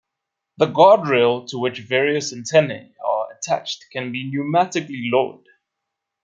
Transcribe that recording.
The guard rail, to which various antennae are attached, can be pneumatically lowered.